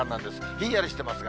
ひんやりしてますが。